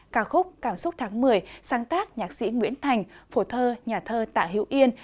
ca khúc cảm xúc tháng một mươi sáng tác nhạc sĩ nguyễn thành phổ thơ nhà thơ tạ hữu yên